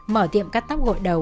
mở tiệm cắt tóc gội đầu